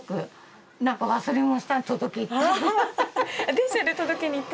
電車で届けに行って？